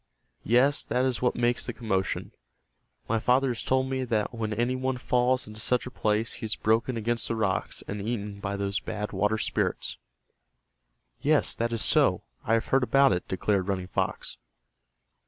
Yes, that is what makes the commotion. My father has told me that when any one falls into such a place he is broken against the rocks, and eaten by those Bad Water Spirits." "Yes, that is so, I have heard about it," declared Running Fox.